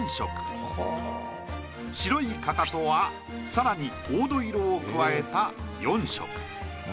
白いかかとは更に黄土色を加えた４色。